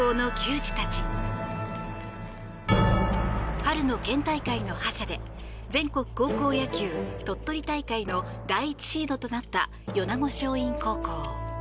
春の県大会の覇者で全国高校野球鳥取大会の第１シードとなった米子松蔭高校。